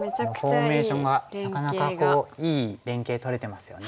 フォーメーションがなかなかいい連携取れてますよね。